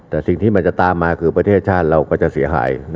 แต่สิ่งที่มันจะตามมาคือประเทศชาติเราก็จะเสียหาย